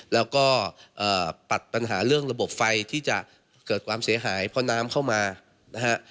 แล้วก็ปัดปัญหาเรื่องระบบไฟที่จะเกิดความเสียหายเพราะน้ำเข้ามานะฮะ